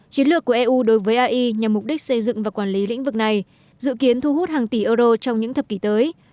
chiến lược của eu đối với ai nhằm mục đích xây dựng và quản lý lĩnh vực này dự kiến thu hút hàng tỷ euro trong những thập kỷ tới